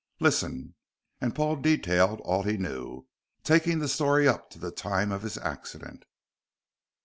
Listen," and Paul detailed all he knew, taking the story up to the time of his accident.